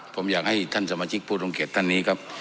ผมอยากให้ท่านสมาชิกผู้ทรงเกียจท่านนี้ครับ